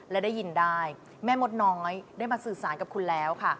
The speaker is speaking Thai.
และได้ยินได้แม่มดน้อยได้มาสื่อสารกับคุณแล้วค่ะ